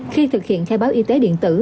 khi thực hiện khai báo y tế điện tử